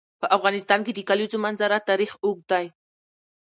په افغانستان کې د د کلیزو منظره تاریخ اوږد دی.